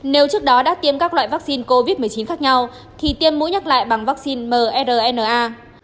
nếu trước đó đã tiêm các loại vaccine covid một mươi chín khác nhau thì tiêm mũi nhắc lại bằng vaccine mrna